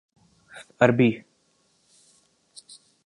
عربی